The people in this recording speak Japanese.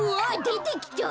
でてきた。